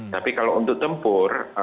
tapi kalau untuk tempur